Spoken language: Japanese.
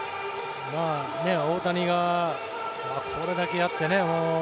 大谷がこれだけやって。